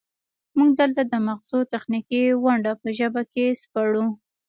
موږ دلته د مغزو تخنیکي ونډه په ژبه کې سپړو